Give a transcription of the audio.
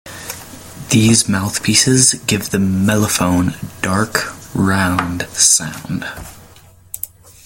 These mouthpieces give the mellophone a dark, round sound.